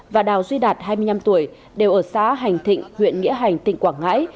và đào duy đạt hai mươi năm tuổi đều ở xã hành thịnh huyện nghĩa hành tỉnh quảng ngãi